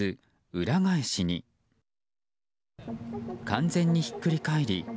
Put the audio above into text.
完全にひっくり返り